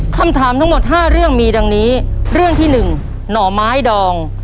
คำถามทั้งหมด๕เรื่องมีดังนี้เรื่องที่หนึ่งหน่อไม้ดอง